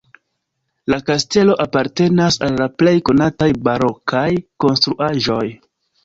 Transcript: La kastelo apartenas al la plej konataj barokaj konstruaĵoj.